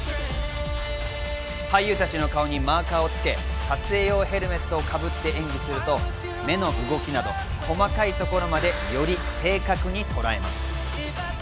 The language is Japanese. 俳優たちの顔にマーカーをつけ、撮影用ヘルメットをかぶって演技すると、手の動きなど細かい所まで、より正確にとらえます。